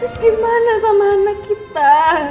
terus gimana sama anak kita